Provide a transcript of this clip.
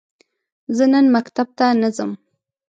زه نن مکتب ته نه ځم.